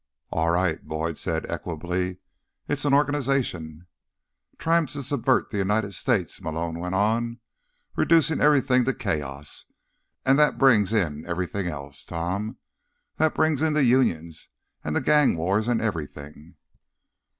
"All right," Boyd said equably. "It's an organization." "Trying to subvert the United States," Malone went on. "Reducing everything to chaos. And that brings in everything else, Tom. That brings in the unions and the gang wars and everything."